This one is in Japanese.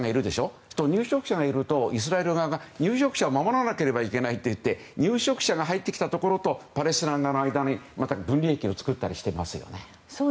そうするとイスラエル側が入植者を守らなければいけないといって入植者が入ってきたところとパレスチナとの間に分離壁を作ったりしていますよね。